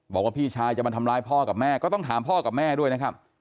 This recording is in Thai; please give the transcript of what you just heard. บอกว่าพี่ชายจะมาทำร้ายพ่อกับแม่ก็ต้องถามพ่อกับแม่ด้วยนะครับ